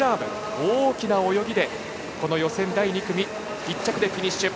大きな泳ぎで予選第２組１着でフィニッシュ。